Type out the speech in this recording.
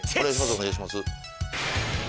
お願いします